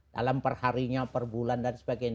dalam perharinya perbulan dan sebagainya